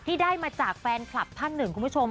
ที่ได้มาจากแฟนคลับภัคดิ์หนึ่งคุณผู้ชม